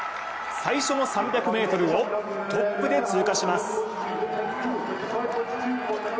最初の３００ｍをトップで通過します。